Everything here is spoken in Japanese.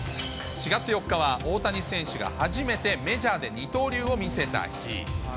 ４月４日は大谷選手が初めてメジャーで二刀流を見せた日。